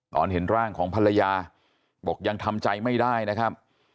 เห็นร่างของภรรยาบอกยังทำใจไม่ได้นะครับ